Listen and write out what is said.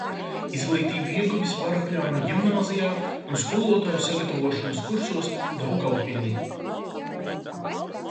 Izglītību ieguvis Varakļānu ģimnāzijā un skolotāju sagatavošanas kursos Daugavpilī.